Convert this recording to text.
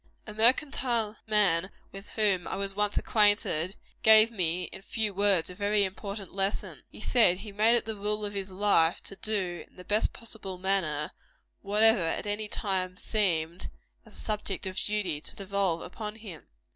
A mercantile man with whom I was once acquainted, gave me, in few words, a very important lesson. He said he made it the rule of his life to do, in the best possible manner, whatever at any time seemed, as a subject of duty, to devolve upon him.